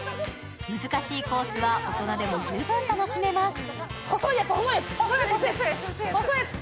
難しいコースは大人でも十分楽しめます。